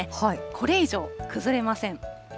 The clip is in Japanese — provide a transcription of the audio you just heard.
これ以上、崩れません。